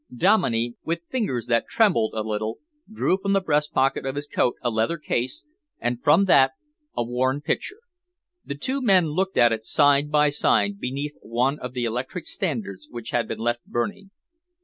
Dominey, with fingers that trembled a little, drew from the breast pocket of his coat a leather case, and from that a worn picture. The two men looked at it side by side beneath one of the electric standards which had been left burning.